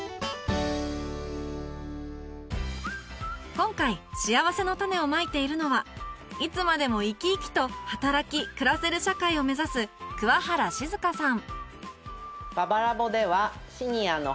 今回しあわせのたねをまいているのはいつまでもいきいきと働き暮らせる社会を目指す桑原静さん